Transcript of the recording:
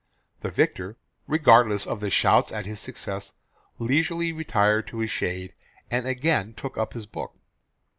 The victor, regardless of shouts at his success, leisurely retired to his shade, and again took up his book.